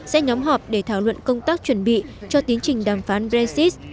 sẽ nhóm họp để thảo luận công tác chuẩn bị cho tiến trình đàm phán brexit